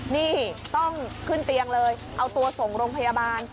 นี่ต้องขึ้นเตียงเลยเอาตัวส่งโรงพยาบาล